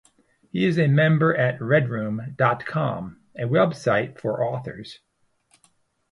He is a member at RedRoom dot com, a web-site for authors.